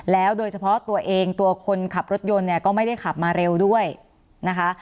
แล้วโดยเฉพาะตัวเองตัวคนขับรถยนต์เนี่ยก็ไม่ได้ขับมาเร็วด้วยนะคะ